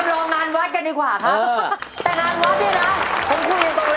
พร้อมเลยครับคุณ